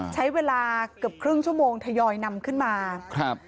ใช้เวลาเกือบครึ่งชั่วโมงทยอยนำขึ้นมาครับ